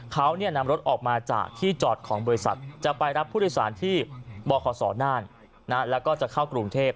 เขานำรถออกมาจากที่จอดของบริษัทจะไปรับผู้โดยสารที่บขศน่านแล้วก็จะเข้ากรุงเทพ